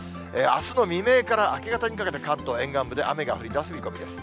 あすの未明から明け方にかけて、関東沿岸部で雨が降りだす見込みです。